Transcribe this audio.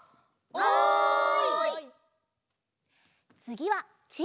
おい！